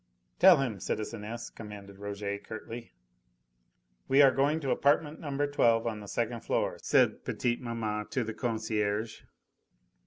"Tell him, citizeness," commanded Rouget curtly. "We are going to apartment No. 12 on the second floor," said petite maman to the concierge.